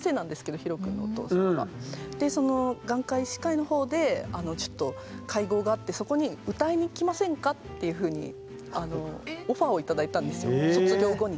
その眼科医師会のほうで会合があってそこに「歌いに来ませんか？」っていうふうにオファーを頂いたんですよ卒業後に。